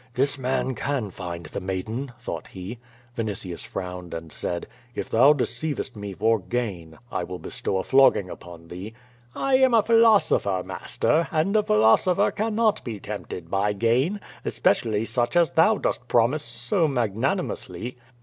"This man can find the maiden," thought he. Vi nitius frowned and said, "If thou deceivest me for gain, I will bestow a flogging upon thee." "I am a philosopher, master, and a philosopher cannot be tempted by gain, especially such as thou dost promise so mag nanimously."